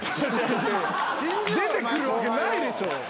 出てくるわけないでしょ。